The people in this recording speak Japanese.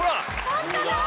ホントだ！